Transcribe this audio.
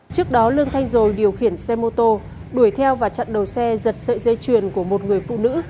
trước đó lương thanh rồi điều khiển xe mô tô đuổi theo và chặn đầu xe giật sợi dây chuyền của một người phụ nữ